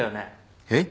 えっ？